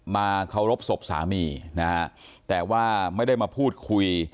มาเคารพศพสามีนะฮะแต่ว่าไม่ได้มาพูดคุย